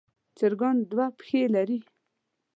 چرګان دوه پښې لري.